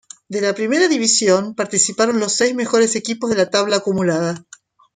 De la primera división participaron los seis mejores equipos de la tabla acumulada.